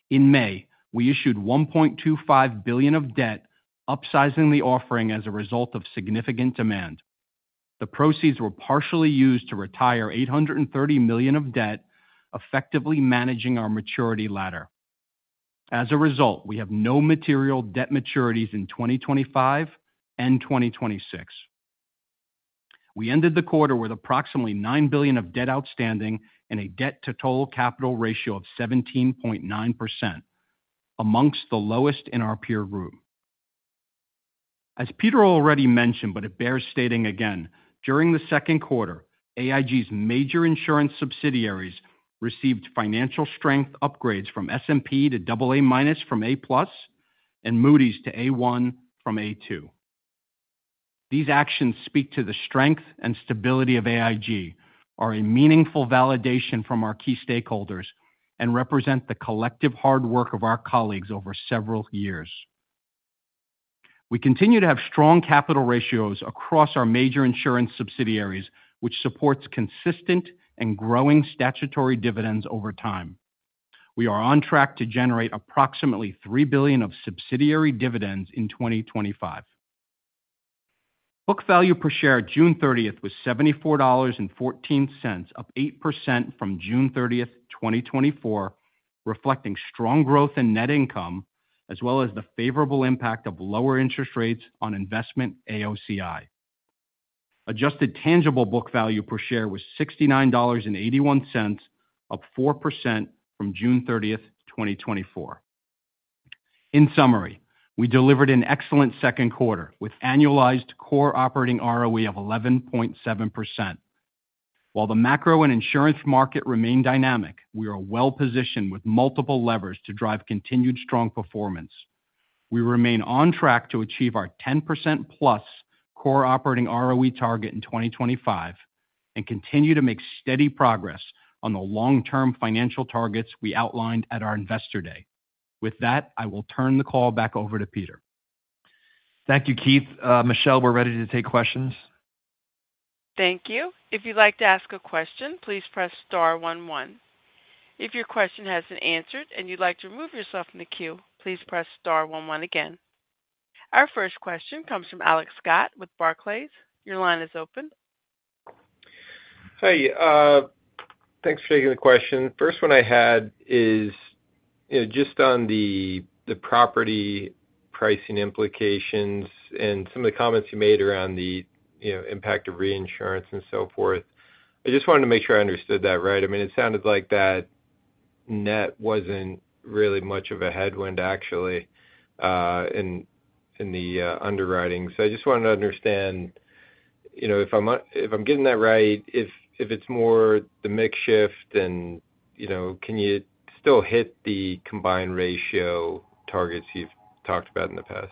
In May, we issued $1.25 billion of debt, upsizing the offering as a result of significant demand. The proceeds were partially used to retire $830 million of debt, effectively managing our maturity ladder. As a result, we have no material debt maturities in 2025 and 2026. We ended the quarter with approximately $9 billion of debt outstanding and a debt-to-total capital ratio of 17.9%, amongst the lowest in our peer group. As Peter already mentioned, but it bears stating again, during the second quarter, AIG's major insurance subsidiaries received financial strength upgrades from S&P Global to AA- from A+ and Moody's to A1 from A2. These actions speak to the strength and stability of AIG, are a meaningful validation from our key stakeholders, and represent the collective hard work of our colleagues over several years. We continue to have strong capital ratios across our major insurance subsidiaries, which supports consistent and growing statutory dividends over time. We are on track to generate approximately $3 billion of subsidiary dividends in 2025. Book value per share June 30th was $74.14, up 8% from June 30th, 2024, reflecting strong growth in net income, as well as the favorable impact of lower interest rates on investment AOCI. Adjusted tangible book value per share was $69.81, up 4% from June 30th, 2024. In summary, we delivered an excellent second quarter with annualized core operating ROE of 11.7%. While the macro and insurance market remain dynamic, we are well positioned with multiple levers to drive continued strong performance. We remain on track to achieve our 10%+ core operating ROE target in 2025 and continue to make steady progress on the long-term financial targets we outlined at our Investor Day. With that, I will turn the call back over to Peter. Thank you, Keith. Michelle, we're ready to take questions. Thank you. If you'd like to ask a question, please press star one one. If your question has been answered and you'd like to remove yourself from the queue, please press star one one again. Our first question comes from Alex Scott with Barclays. Your line is open. Hey, thanks for taking the question. First one I had is, you know, just on the property pricing implications and some of the comments you made around the, you know, impact of reinsurance and so forth. I just wanted to make sure I understood that right. I mean, it sounded like that net wasn't really much of a headwind, actually, in the underwriting. I just wanted to understand, you know, if I'm getting that right, if it's more the makeshift and, you know, can you still hit the combined ratio targets you've talked about in the past?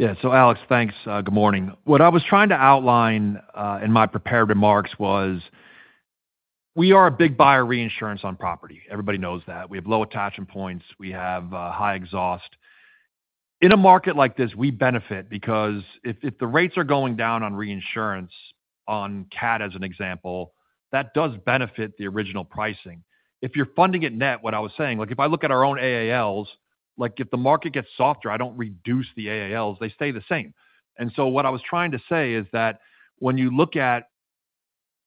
Yeah, so Alex, thanks. Good morning. What I was trying to outline in my prepared remarks was we are a big buyer of reinsurance on property. Everybody knows that. We have low attachment points. We have high exhaust. In a market like this, we benefit because if the rates are going down on reinsurance, on CAT as an example, that does benefit the original pricing. If you're funding it net, what I was saying, like if I look at our own AALs, like if the market gets softer, I don't reduce the AALs. They stay the same. What I was trying to say is that when you look at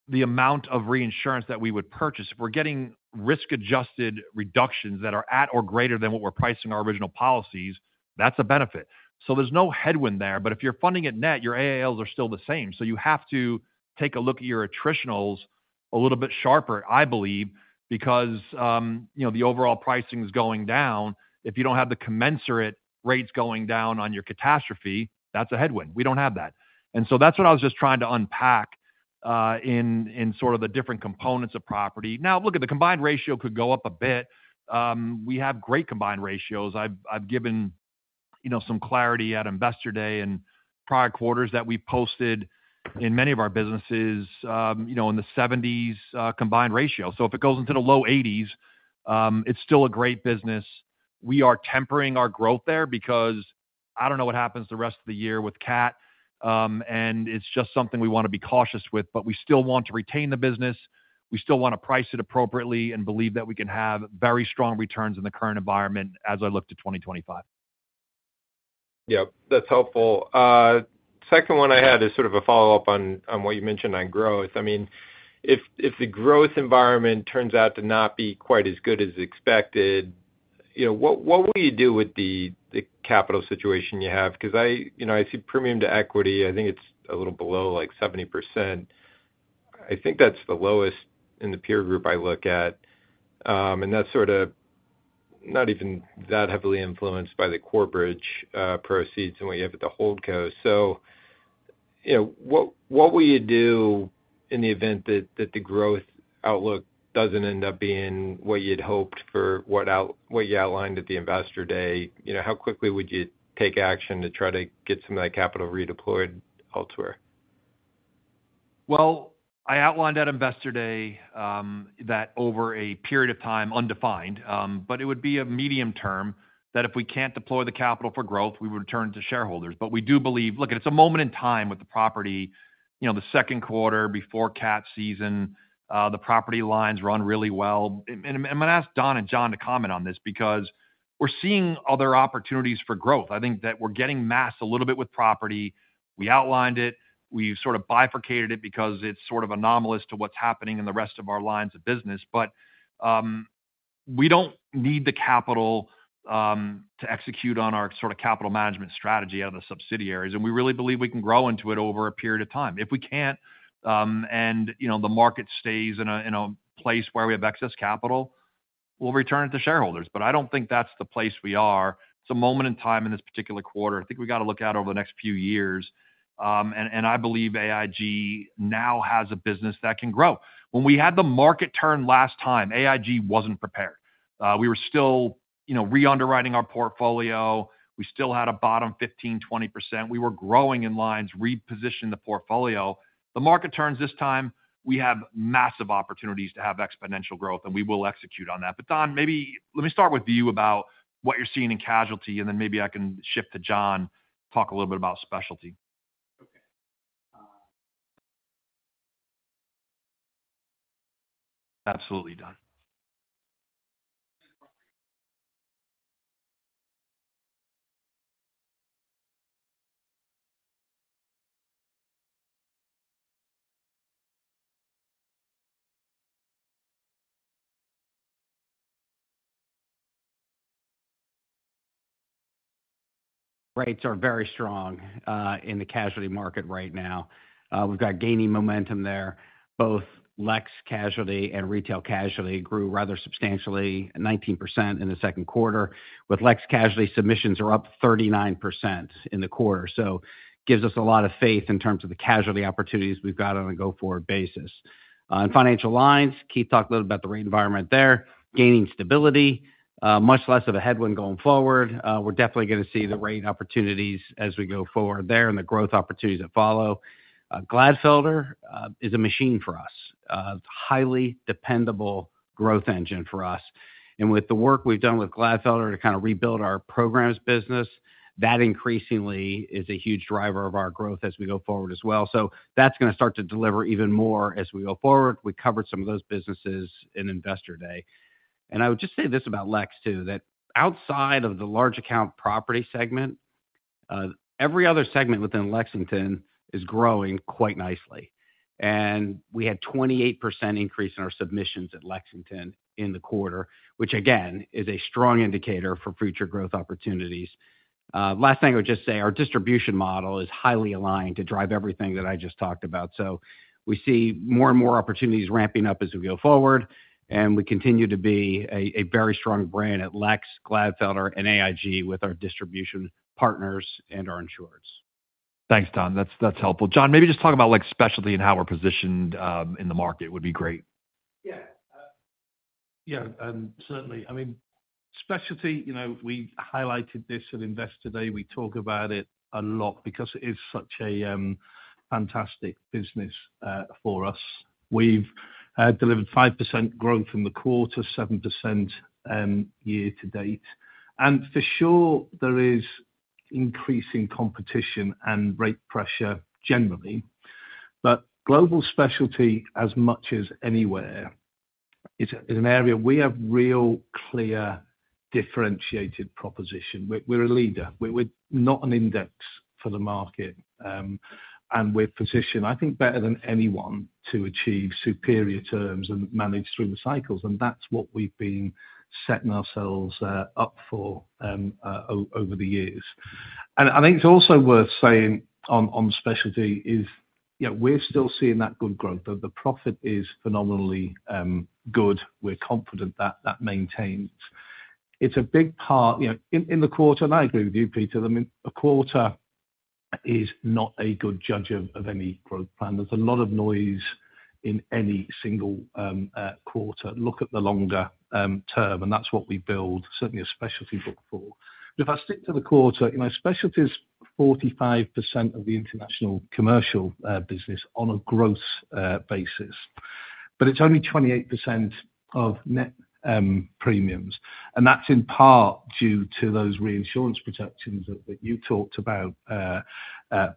the amount of reinsurance that we would purchase, if we're getting risk-adjusted reductions that are at or greater than what we're pricing our original policies, that's a benefit. There's no headwind there, but if you're funding it net, your AALs are still the same. You have to take a look at your attritionals a little bit sharper, I believe, because, you know, the overall pricing is going down. If you don't have the commensurate rates going down on your catastrophe, that's a headwind. We don't have that. That's what I was just trying to unpack in sort of the different components of property. Now, look, the combined ratio could go up a bit. We have great combined ratios. I've given, you know, some clarity at Investor Day and prior quarters that we posted in many of our businesses, you know, in the 70s combined ratio. If it goes into the low 80s, it's still a great business. We are tempering our growth there because I don't know what happens to the rest of the year with CAT, and it's just something we want to be cautious with, but we still want to retain the business. We still want to price it appropriately and believe that we can have very strong returns in the current environment as I look to 2025. Yeah, that's helpful. Second one I had is sort of a follow-up on what you mentioned on growth. If the growth environment turns out to not be quite as good as expected, what will you do with the capital situation you have? I see premium to equity. I think it's a little below 70%. I think that's the lowest in the peer group I look at, and that's sort of not even that heavily influenced by the Corebridge proceeds and what you have at the holdco. What will you do in the event that the growth outlook doesn't end up being what you'd hoped for, what you outlined at the Investor Day? How quickly would you take action to try to get some of that capital redeployed elsewhere? I outlined at Investor Day that over a period of time, undefined, but it would be a medium term, that if we can't deploy the capital for growth, we would return it to shareholders. We do believe it's a moment in time with the property, you know, the second quarter before CAT season, the property lines run really well. I'm going to ask Don and Jon to comment on this because we're seeing other opportunities for growth. I think that we're getting mass a little bit with property. We outlined it. We've sort of bifurcated it because it's sort of anomalous to what's happening in the rest of our lines of business. We don't need the capital to execute on our sort of capital management strategy out of the subsidiaries. We really believe we can grow into it over a period of time. If we can't, and you know, the market stays in a place where we have excess capital, we'll return it to shareholders. I don't think that's the place we are. It's a moment in time in this particular quarter. I think we got to look at it over the next few years. I believe AIG now has a business that can grow. When we had the market turn last time, AIG wasn't prepared. We were still, you know, re-underwriting our portfolio. We still had a bottom 15%-20%. We were growing in lines, repositioned the portfolio. The market turns this time, we have massive opportunities to have exponential growth, and we will execute on that. Don, maybe let me start with you about what you're seeing in casualty, and then maybe I can shift to Jon, talk a little bit about specialty. Rates are very strong in the casualty market right now. We've got gaining momentum there. Both Lexington Casualty and retail casualty grew rather substantially, 19% in the second quarter, with Lexington Casualty submissions up 39% in the quarter. It gives us a lot of faith in terms of the casualty opportunities we've got on a go-forward basis. In Financial Lines, Keith talked a little bit about the rate environment there, gaining stability, much less of a headwind going forward. We're definitely going to see the rate opportunities as we go forward there and the growth opportunities that follow. Glatfelter is a machine for us, a highly dependable growth engine for us. With the work we've done with Glatfelter to kind of rebuild our programs business, that increasingly is a huge driver of our growth as we go forward as well. That's going to start to deliver even more as we go forward. We covered some of those businesses in Investor Day. I would just say this about Lexington too, that outside of the large account property segment, every other segment within Lexington is growing quite nicely. We had a 28% increase in our submissions at Lexington in the quarter, which again is a strong indicator for future growth opportunities. Last thing I would just say, our distribution model is highly aligned to drive everything that I just talked about. We see more and more opportunities ramping up as we go forward. We continue to be a very strong brand at Lexington, Glatfelter and AIG with our distribution partners and our insurers. Thanks, Don. That's helpful. Jon, maybe just talk about Lexington Casualty and how we're positioned in the market would be great. Yeah, certainly. I mean, Specialty, you know, we highlighted this at Investor Day. We talk about it a lot because it is such a fantastic business for us. We've delivered 5% growth in the quarter, 7% year to date. For sure, there is increasing competition and rate pressure generally. Global specialty, as much as anywhere, is an area we have real clear differentiated proposition. We're a leader. We're not an index for the market. We're positioned, I think, better than anyone to achieve superior terms and manage through the cycles. That's what we've been setting ourselves up for over the years. I think it's also worth saying on specialty, you know, we're still seeing that good growth. The profit is phenomenally good. We're confident that that maintains. It's a big part, you know, in the quarter. I agree with you, Peter. I mean, a quarter is not a good judge of any growth plan. There's a lot of noise in any single quarter. Look at the longer term. That's what we build, certainly a specialty book for. If I stick to the quarter, you know, specialty is 45% of the international commercial business on a growth basis. It's only 28% of net premiums. That's in part due to those reinsurance protections that you talked about,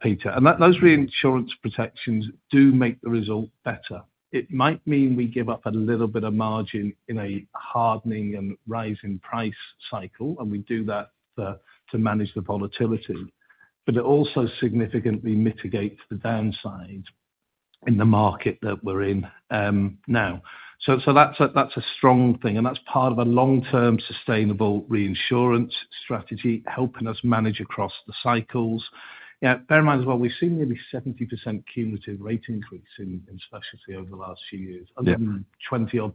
Peter. Those reinsurance protections do make the result better. It might mean we give up a little bit of margin in a hardening and rising price cycle. We do that to manage the volatility. It also significantly mitigates the downside in the market that we're in now. That's a strong thing. That's part of a long-term sustainable reinsurance strategy, helping us manage across the cycles. Yeah, bear in mind as well, we've seen nearly 70% cumulative rate increase in specialty over the last few years, only 20%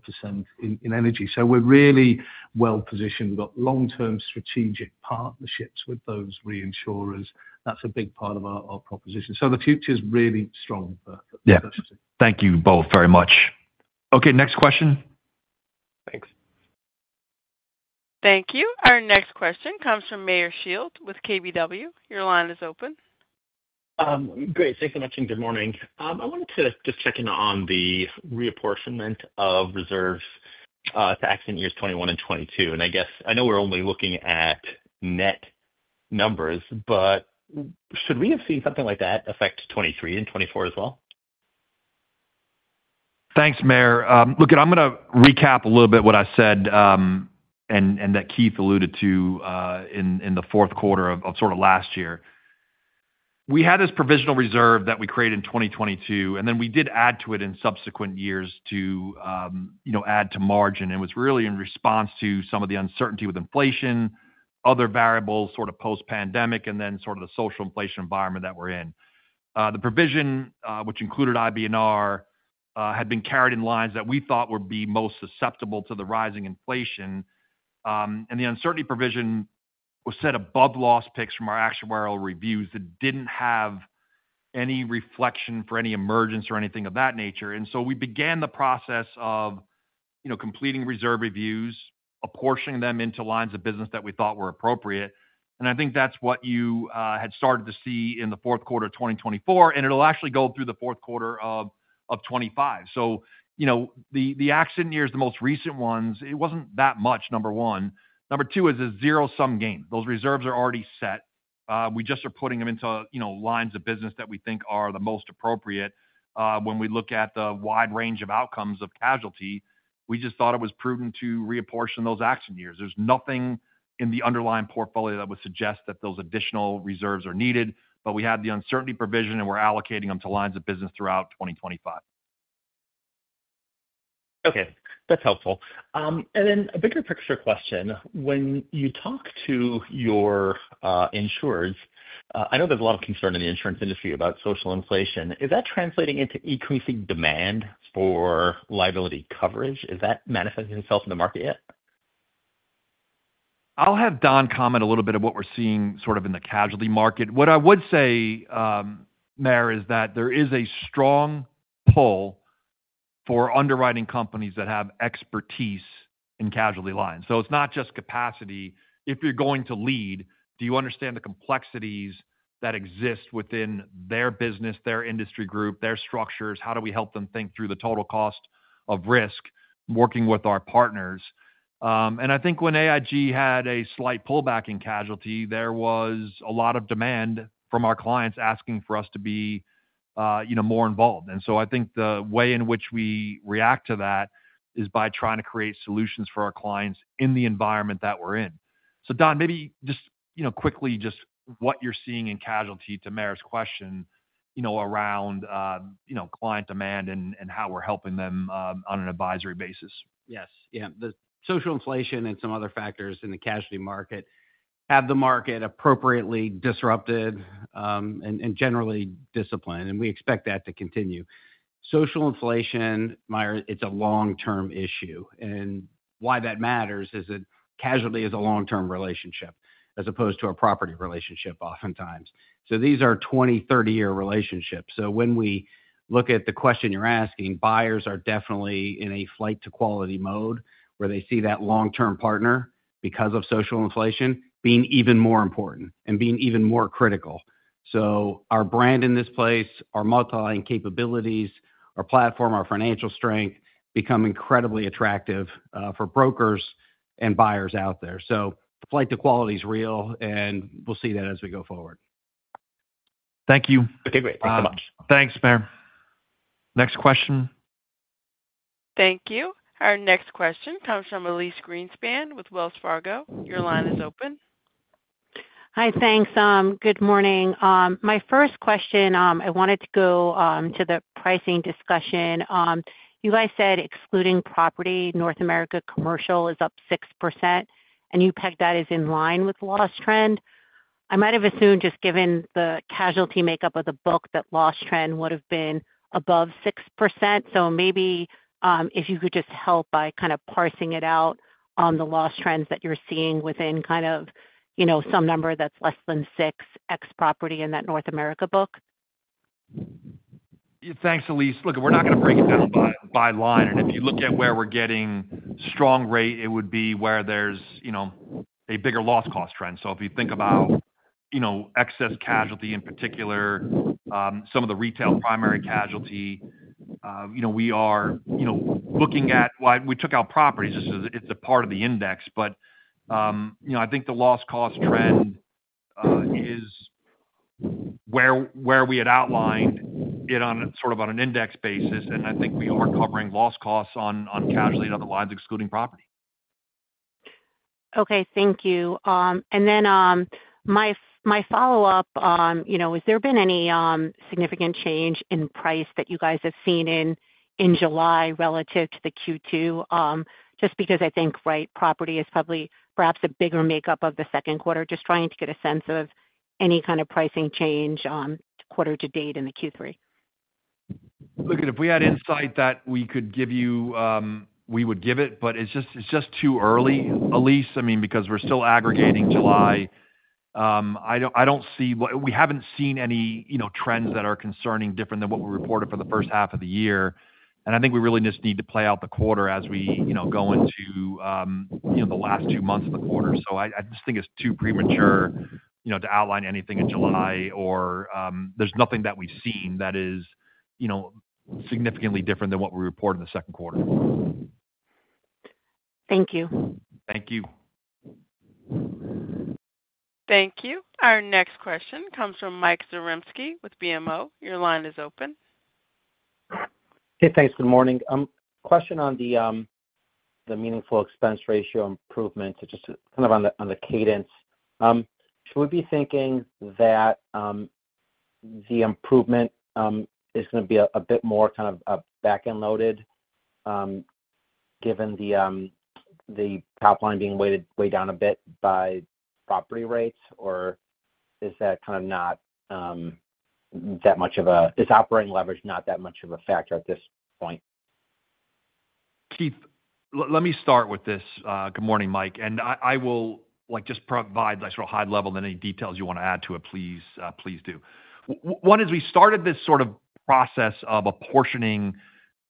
in energy. We're really well positioned. We've got long-term strategic partnerships with those reinsurers. That's a big part of our proposition. The future is really strong for us. Yeah, thank you both very much. Okay, next question. Thank you. Our next question comes from Meyer Shields with KBW. Your line is open. Great, thanks for mentioning. Good morning. I wanted to just check in on the reapportionment of reserves to exit years 2021 and 2022. I guess I know we're only looking at net numbers, but should we have seen something like that affect 2023 and 2024 as well? Thanks, Meyer. Look, I'm going to recap a little bit what I said and that Keith alluded to in the fourth quarter of last year. We had this provisional reserve that we created in 2022, and then we did add to it in subsequent years to, you know, add to margin. It was really in response to some of the uncertainty with inflation, other variables, sort of post-pandemic, and then the social inflation environment that we're in. The provision, which included IBNR, had been carried in lines that we thought would be most susceptible to the rising inflation. The uncertainty provision was set above loss picks from our actuarial reviews that didn't have any reflection for any emergence or anything of that nature. We began the process of completing reserve reviews, apportioning them into lines of business that we thought were appropriate. I think that's what you had started to see in the fourth quarter of 2024, and it'll actually go through the fourth quarter of 2025. The exit years, the most recent ones, it wasn't that much, number one. Number two is a zero-sum gain. Those reserves are already set. We just are putting them into lines of business that we think are the most appropriate. When we look at the wide range of outcomes of casualty, we just thought it was prudent to reapportion those exit years. There's nothing in the underlying portfolio that would suggest that those additional reserves are needed. We had the uncertainty provision and we're allocating them to lines of business throughout 2025. Okay, that's helpful. A bigger picture question: when you talk to your insurers, I know there's a lot of concern in the insurance industry about social inflation. Is that translating into increasing demand for liability coverage? Is that manifesting itself in the market yet? I'll have Don comment a little bit on what we're seeing in the casualty market. What I would say, Meyer, is that there is a strong pull for underwriting companies that have expertise in casualty lines. It's not just capacity. If you're going to lead, do you understand the complexities that exist within their business, their industry group, their structures? How do we help them think through the total cost of risk working with our partners? I think when AIG had a slight pullback in casualty, there was a lot of demand from our clients asking for us to be more involved. I think the way in which we react to that is by trying to create solutions for our clients in the environment that we're in. Don, maybe just quickly what you're seeing in casualty to Meyer's question around client demand and how we're helping them on an advisory basis. Yes, yeah. The social inflation and some other factors in the casualty market have the market appropriately disrupted and generally disciplined. We expect that to continue. Social inflation, Meyer, it's a long-term issue. Why that matters is that casualty is a long-term relationship as opposed to a property relationship oftentimes. These are 20, 30-year relationships. When we look at the question you're asking, buyers are definitely in a flight-to-quality mode where they see that long-term partner because of social inflation being even more important and being even more critical. Our brand in this place, our multilingual capabilities, our platform, our financial strength become incredibly attractive for brokers and buyers out there. The flight to quality is real, and we'll see that as we go forward. Thank you. Thanks, Meyer. Next question. Thank you. Our next question comes from Elyse Greenspan with Wells Fargo. Your line is open. Hi, thanks. Good morning. My first question, I wanted to go to the pricing discussion. You guys said excluding property, North America Commercial is up 6%, and you pegged that as in line with the loss trend. I might have assumed, just given the casualty makeup of the book, that loss trend would have been above 6%. Maybe if you could just help by kind of parsing it out on the loss trends that you're seeing within kind of, you know, some number that's less than 6% property in that North America book. Yeah, thanks, Elyse. Look, we're not going to break it down by line. If you look at where we're getting strong rate, it would be where there's a bigger loss cost trend. If you think about excess casualty in particular, some of the retail primary casualty, we are looking at why we took out properties. It's a part of the index. I think the loss cost trend is where we had outlined it on an index basis. I think we aren't covering loss costs on casualty in other lines excluding property. Thank you. My follow-up, has there been any significant change in price that you guys have seen in July relative to Q2? I think property is probably perhaps a bigger makeup of the second quarter. I'm just trying to get a sense of any kind of pricing change quarter to date in Q3. Look, if we had insight that we could give you, we would give it. It's just too early, Elyse. I mean, because we're still aggregating July. I don't see, we haven't seen any trends that are concerning or different than what we reported for the first half of the year. I think we really just need to play out the quarter as we go into the last two months of the quarter. I just think it's too premature to outline anything of July or there's nothing that we've seen that is significantly different than what we report in the second quarter. Thank you. Thank you. Thank you. Our next question comes from Mike Zaremski with BMO. Your line is open. Hey, thanks. Good morning. Question on the meaningful expense ratio improvement, just on the cadence. Should we be thinking that the improvement is going to be a bit more back-end loaded given the top line being weighed down a bit by property rates, or is that not that much of a, is operating leverage not that much of a factor at this point? Keith, let me start with this. Good morning, Mike. I will just provide like sort of high level and any details you want to add to it, please do. One is we started this sort of process of apportioning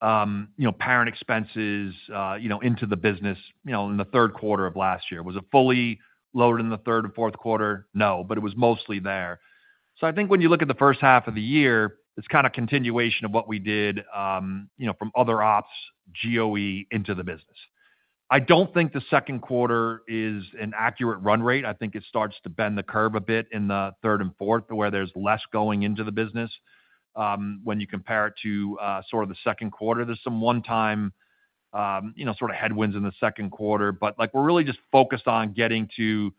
parent expenses into the business in the third quarter of last year. Was it fully loaded in the third and fourth quarter? No, but it was mostly there. I think when you look at the first half of the year, it's kind of a continuation of what we did from other ops, GOE into the business. I don't think the second quarter is an accurate run rate. I think it starts to bend the curve a bit in the third and fourth to where there's less going into the business. When you compare it to the second quarter, there's some one-time headwinds in the second quarter. We're really just focused on getting to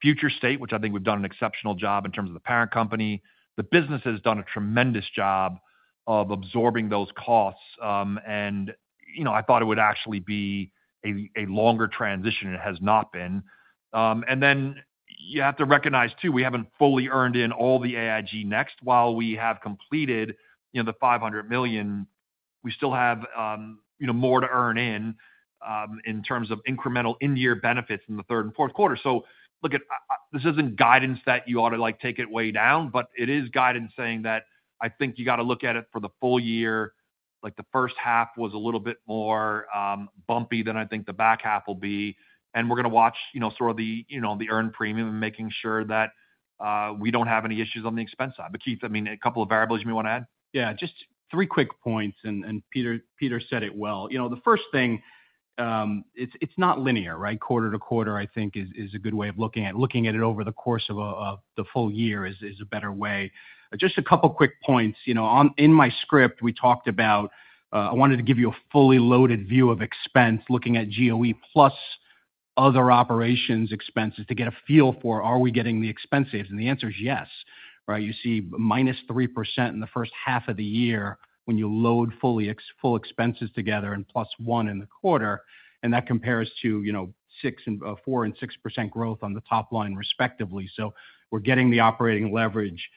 future state, which I think we've done an exceptional job in terms of the parent company. The business has done a tremendous job of absorbing those costs. I thought it would actually be a longer transition. It has not been. You have to recognize too, we haven't fully earned in all the AIG Next while we have completed the $500 million. We still have more to earn in in terms of incremental end-year benefits in the third and fourth quarter. Look, this isn't guidance that you ought to take it way down, but it is guidance saying that I think you got to look at it for the full year. The first half was a little bit more bumpy than I think the back half will be. We're going to watch the earned premium and making sure that we don't have any issues on the expense side. Keith, I mean, a couple of variables you may want to add. Yeah, just three quick points. Peter said it well. The first thing, it's not linear, right? Quarter to quarter, I think, is a good way of looking at it. Looking at it over the course of the full year is a better way. Just a couple of quick points. In my script, we talked about I wanted to give you a fully loaded view of expense, looking at GOE plus other operations expenses to get a feel for, are we getting the expense saves? The answer is yes, right? You see -3% in the first half of the year when you load fully full expenses together and +1% in the quarter. That compares to 4% and 6% growth on the top line respectively. We're getting the operating leverage.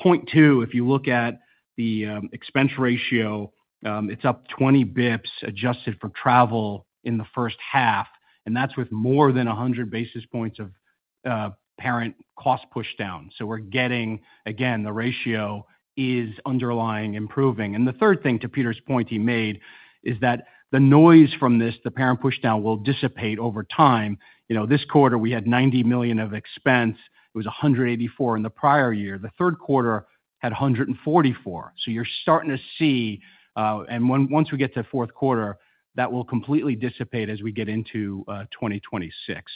Point two, if you look at the expense ratio, it's up 20 basis points adjusted for travel in the first half. That's with more than 100 basis points of parent cost push down. We're getting, again, the ratio is underlying improving. The third thing to Peter's point he made is that the noise from this, the parent push down, will dissipate over time. This quarter we had $90 million of expense. It was $184 million in the prior year. The third quarter had $144 million. You're starting to see, and once we get to the fourth quarter, that will completely dissipate as we get into 2026.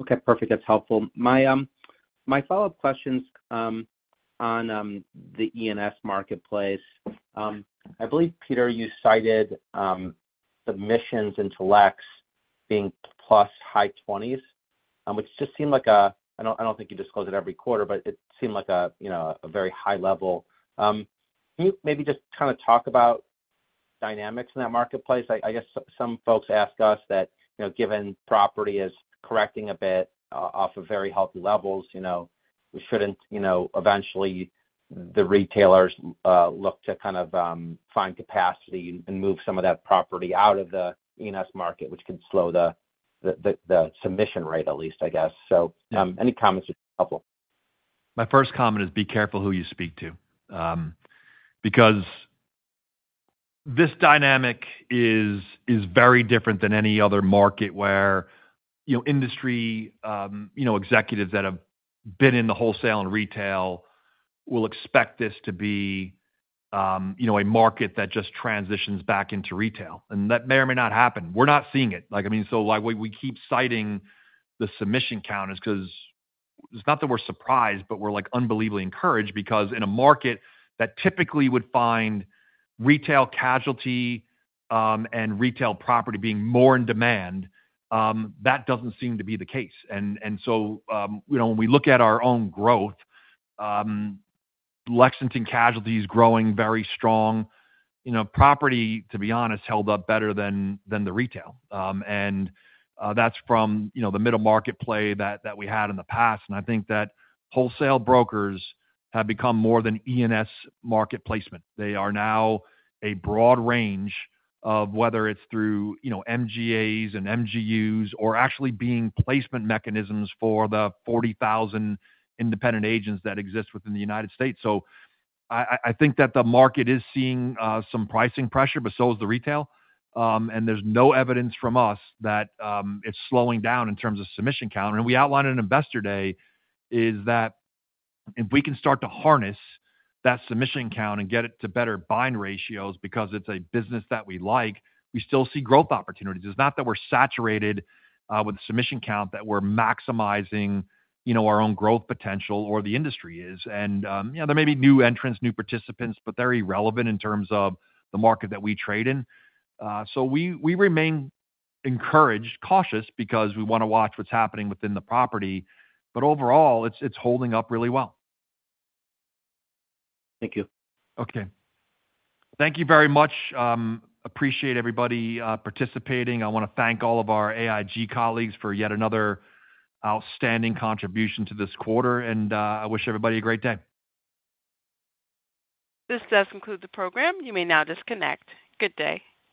Okay, perfect. That's helpful. My follow-up question is on the E&S marketplace. I believe, Peter, you cited submissions into Lexington Casualty being plus high 20s, which just seemed like a, I don't think you disclosed it every quarter, but it seemed like a very high level. Can you maybe just kind of talk about dynamics in that marketplace? I guess some folks ask us that, given property is correcting a bit off of very healthy levels, we shouldn't, eventually the retailers look to kind of find capacity and move some of that property out of the E&S market, which could slow the submission rate at least, I guess. Any comments are helpful. My first comment is be careful who you speak to. Because this dynamic is very different than any other market where industry executives that have been in the wholesale and retail will expect this to be a market that just transitions back into retail. That may or may not happen. We're not seeing it. We keep citing the submission counters because it's not that we're surprised, but we're unbelievably encouraged because in a market that typically would find retail casualty and retail property being more in demand, that doesn't seem to be the case. When we look at our own growth, Lexington Casualty is growing very strong. Property, to be honest, held up better than the retail. That's from the middle market play that we had in the past. I think that wholesale brokers have become more than E&S market placement. They are now a broad range of whether it's through MGAs and MGUs or actually being placement mechanisms for the 40,000 independent agents that exist within the U.S. I think that the market is seeing some pricing pressure, but so is the retail. There's no evidence from us that it's slowing down in terms of submission count. We outlined at Investor Day that if we can start to harness that submission count and get it to better buying ratios because it's a business that we like, we still see growth opportunities. It's not that we're saturated with the submission count that we're maximizing our own growth potential or the industry is. There may be new entrants, new participants, but they're irrelevant in terms of the market that we trade in. We remain encouraged, cautious because we want to watch what's happening within the property. Overall, it's holding up really well. Thank you. Okay. Thank you very much. Appreciate everybody participating. I want to thank all of our AIG colleagues for yet another outstanding contribution to this quarter. I wish everybody a great day. This does conclude the program. You may now disconnect. Good day.